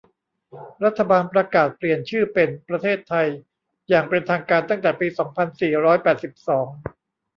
รัฐบาลประกาศเปลี่ยนชื่อเป็นประเทศไทยอย่างเป็นทางการตั้งแต่ปี สองพันสี่ร้อยแปดสิบสอง